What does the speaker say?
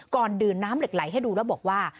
ก่อนดื่มน้ำเหล็กไหลให้ดูแล้วบอกว่า